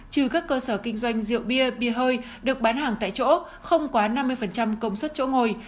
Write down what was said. trừ các cơ sở kinh doanh rượu bia bia hơi được bán hàng tại chỗ không quá năm mươi công suất chỗ ngồi